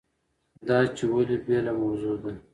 دا چې ولې بېله موضوع ده.